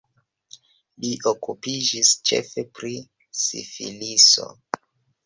Li okupiĝis ĉefe pri sifiliso.